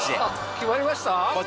決まりました？